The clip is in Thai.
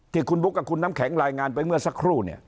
ที่คุณบุ๊คกับคุณน้ำแข็งรายงานไปเมื่อสักครู่เนี่ย